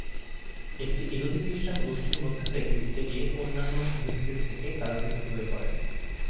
একটি ইহুদি-খ্রিস্টান গোষ্ঠীর মধ্যে থেকে লিখতে গিয়ে অন্যান্য ইহুদিদের থেকে তারা পৃথক হয়ে পড়েন।